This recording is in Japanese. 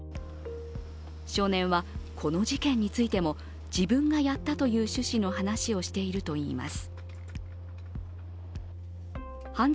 少年はこの事件についても自分がやったという趣旨の話をしているといいます。